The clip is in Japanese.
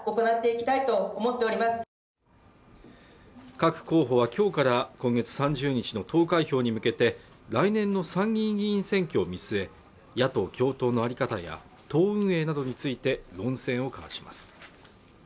各候補はきょうから今月３０日の投開票に向けて来年の参議院議員選挙を見据え野党共闘の在り方や党運営などについて論戦を交わします